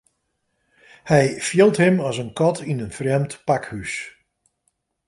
Hy fielt him as in kat yn in frjemd pakhús.